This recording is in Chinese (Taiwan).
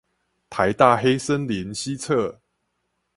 臺大黑森林西側